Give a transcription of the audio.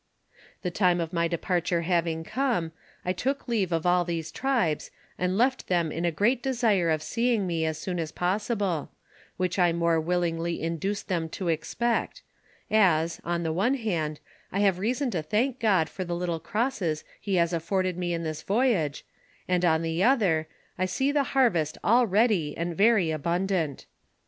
The time of my departure having come, I took leave of all these tribes, and left them in a great desire of seeing me as soon as possible, which i more willingly induced them to ex pect ; as, on the one hand, I have reason to thank God for the little crosses he has afforded me in this voyage, and on the other, I bee the harvest all ready and very abundant.